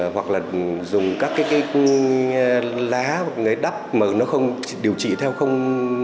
hoặc là dùng các cái lá hoặc đắp mà nó không điều trị theo không